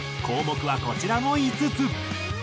項目はこちらの５つ。